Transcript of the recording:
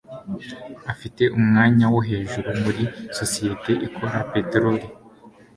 afite umwanya wo hejuru muri sosiyete ikora peteroli.